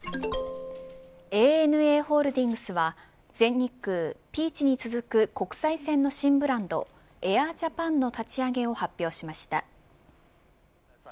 ＡＮＡホールディングスは全日空、ピーチに続く国際線の新ブランドＡｉｒＪａｐａｎの立ち上げを発表しました。